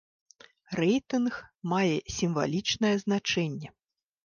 Рэйтынг мае сімвалічнае значэнне.